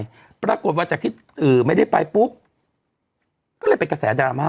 แล้วปรากฏว่าจิตอื่อไม่ได้ไปปุ๊บก็เลยเป็นกระแสดรามาก๔๕๖